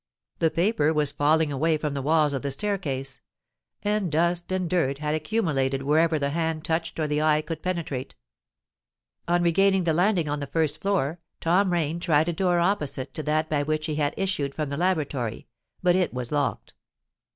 The paper was falling away from the walls of the staircase; and dust and dirt had accumulated wherever the hand touched or the eye could penetrate. On regaining the landing on the first floor, Tom Rain tried a door opposite to that by which he had issued from the laboratory; but it was locked.